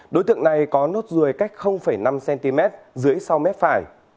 đối tượng này có nốt ruồi cách năm cm dưới sau mép phải